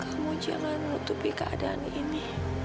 kamu jangan menutupi keadaan ini